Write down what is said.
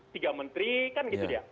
tiga menteri kan gitu dia